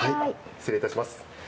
失礼いたします。